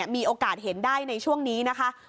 มีโอกาสเห็นได้ในช่วงนี้นะคะ